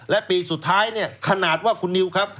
และปีสุดท้ายเนี่ยขนาดว่าคุณนิวครับ